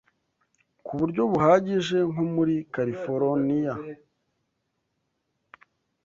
ku buryo buhagije, nko muri Kaliforoniya.